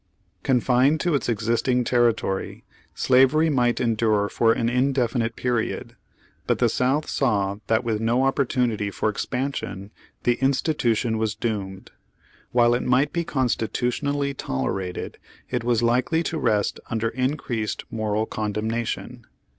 Confined to its existing territory, slavery might endure for an indefinite period, but the South saw that with no opportunity for expansion the in stitution was doomed. While it might be consti tutionally tolerated, it was likely to rest under increased moral condemnation.